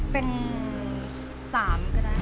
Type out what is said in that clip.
เป็น๓ก็ได้